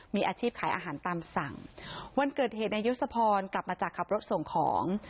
มีอาชีพขายอาหารตามสั่งวันเกิดเหตุนายศพรกลับมาจากขับรถส่งของ